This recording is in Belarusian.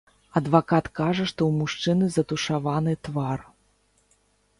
Адвакат кажа, што ў мужчыны затушаваны твар.